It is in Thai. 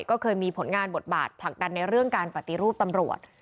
ก็เคยมีผลงานบทบาทผลักดันในเรื่องการปฏิรูปตำรวจ